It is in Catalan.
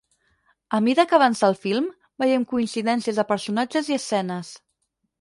A mida que avança el film, veiem coincidències de personatges i escenes.